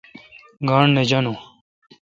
گاݨڈ نہ جانون۔